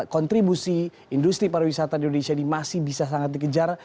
kontribusi industri pariwisata di indonesia ini masih bisa sangat dikejar